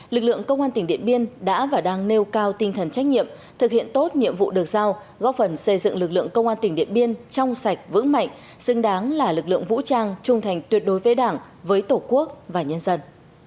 lực lượng công an tỉnh điện biên đã và đang nêu cao tinh thần trách nhiệm thực hiện tốt nhiệm vụ được giao góp phần xây dựng lực lượng công an tỉnh điện biên trong sạch vững mạnh xứng đáng là lực lượng vũ trang trung thành tuyệt đối với đảng với tổ quốc và nhân dân